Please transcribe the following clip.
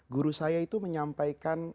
guru saya itu menyampaikan